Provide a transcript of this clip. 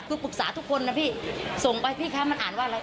คือปรึกษาทุกคนนะพี่ส่งไปพี่คะมันอ่านว่าอะไร